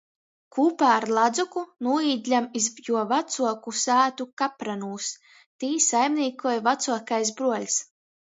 Kūpā ar Ladzuku nūīdļam iz juo vacuoku sātu Kapranūs. Tī saimnīkoj vacuokais bruoļs.